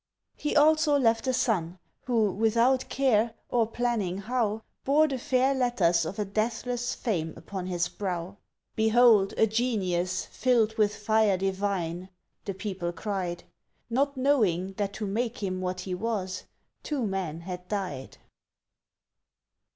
He also left a son, who, without care Or planning how, Bore the fair letters of a deathless fame Upon his brow. "Behold a genius, filled with fire divine!" The people cried; Not knowing that to make him what he was Two men had died.